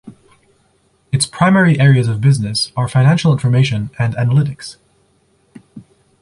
Its primary areas of business are financial information and analytics.